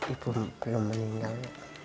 ibu belum meninggal